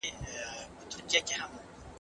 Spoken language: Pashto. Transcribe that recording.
که خپله ژبه وساتو، نو کلتوري ارزښتونه نه مړېږي.